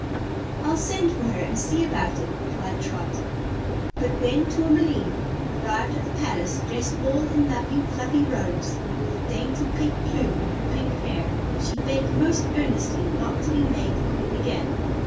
"I'll send for her and see about it," replied Trot. But when Tourmaline arrived at the palace, dressed all in lovely fluffy robes and with a dainty pink plume in her pink hair, she begged most earnestly not to be made the Queen again.